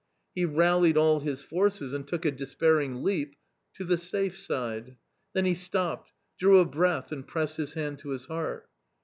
He rallied all his forces and took a despairing leap .... to the safe side. Then he stopped, drew a breath and pressed his hand to his heart.